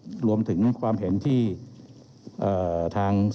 เรามีการปิดบันทึกจับกลุ่มเขาหรือหลังเกิดเหตุแล้วเนี่ย